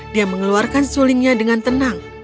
dia mengeluarkan sulingnya dengan tenang